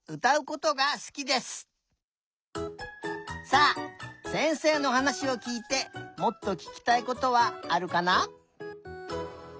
さあせんせいのはなしをきいてもっとききたいことはあるかな？